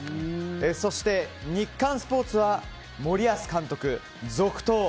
そして、日刊スポーツは「森保監督続投」。